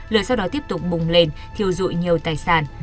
lửa sau đó tiếp tục bùng lên thiêu dụi nhiều tài sản